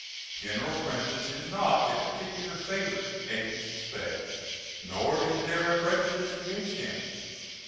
General Prentiss is not a particular favorite as you suspect, nor is there a prejudice against him.